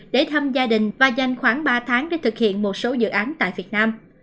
để thăm gia đình và dành khoảng ba tháng để thực hiện một số dự án tại việt nam